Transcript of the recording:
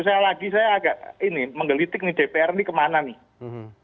saya lagi saya agak ini menggelitik nih dpr ini kemana nih